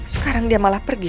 sekarang dia malah pergi